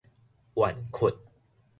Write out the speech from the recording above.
緩困